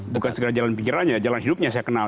bukan segera jalan pikirannya jalan hidupnya saya kenal